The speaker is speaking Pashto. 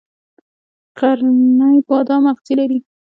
غرنی بادام اغزي لري؟